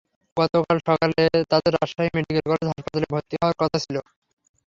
গতকাল সকালে তাঁদের রাজশাহী মেডিকেল কলেজ হাসপাতালে ভর্তি হওয়ার কথা ছিল।